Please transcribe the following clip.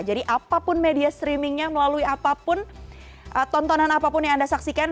jadi apapun media streamingnya melalui apapun tontonan apapun yang anda saksikan